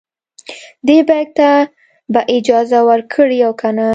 دې بیک ته به اجازه ورکړي او کنه.